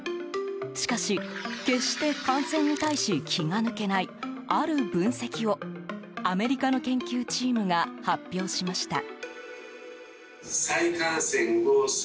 しかし、決して感染に対し気が抜けないある分析をアメリカの研究チームが発表しました。